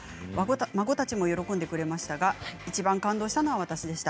孫たちも喜んでくれましたがいちばん感動したのは私でした。